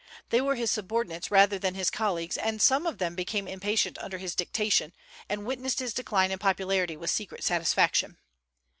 They were his subordinates rather than his colleagues; and some of them became impatient under his dictation, and witnessed his decline in popularity with secret satisfaction.